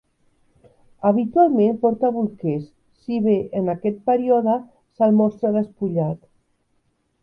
Habitualment porta bolquers, si bé en aquest període se'l mostre despullat.